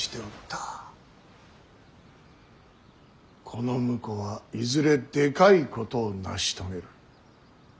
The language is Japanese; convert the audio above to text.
この婿はいずれでかいことを成し遂げる。